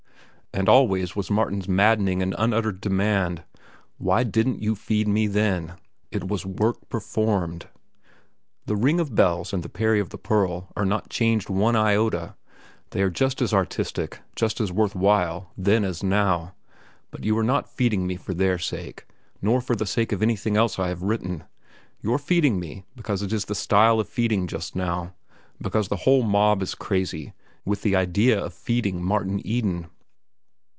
And always was Martin's maddening and unuttered demand: Why didn't you feed me then? It was work performed. "The Ring of Bells" and "The Peri and the Pearl" are not changed one iota. They were just as artistic, just as worth while, then as now. But you are not feeding me for their sake, nor for the sake of anything else I have written. You're feeding me because it is the style of feeding just now, because the whole mob is crazy with the idea of feeding Martin Eden.